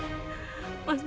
mas banu aisyah